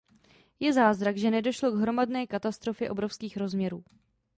Je zázrak, že nedošlo k hromadné katastrofě obrovských rozměrů.